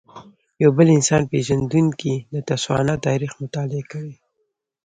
یو بل انسان پېژندونکی د تسوانا تاریخ مطالعه کړی.